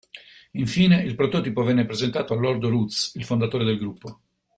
Infine, il prototipo venne presentato a Lord Rootes, il fondatore del Gruppo.